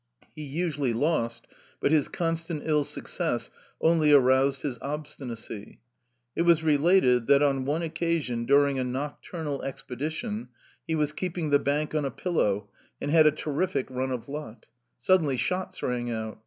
He usually lost, but his constant ill success only aroused his obstinacy. It was related that, on one occasion, during a nocturnal expedition, he was keeping the bank on a pillow, and had a terrific run of luck. Suddenly shots rang out.